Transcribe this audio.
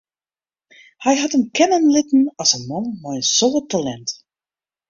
Hy hat him kenne litten as in man mei in soad talint.